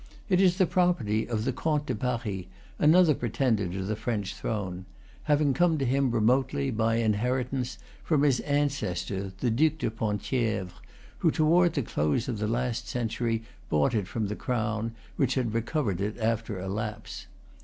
It is the property of the Comte de Paris, another pretender to the French throne; having come to him remotely, by inheritance, from his ancestor, the Duc de Penthievre, who toward the close of the last century bought it from the crown, which had recovered it after a lapse.